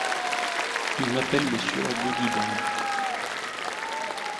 Il m’appelle le sieur Gaudiband !